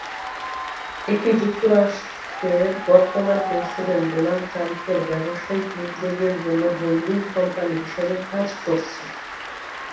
এটি যুক্তরাষ্ট্রের বর্তমান প্রেসিডেন্ট ডোনাল্ড ট্রাম্পের ব্যবসায়িক উদ্যোগের জন্য হোল্ডিং কোম্পানি হিসেবে কাজ করে।